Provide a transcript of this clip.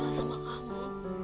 aku tuh sama kamu